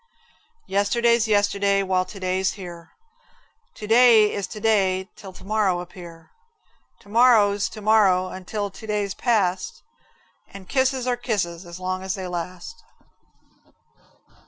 Yesterday's yesterday while to day's here, To day is to day till to morrow appear, To marrow's to morrow until to day's past, And kisses are kisses as long as they last.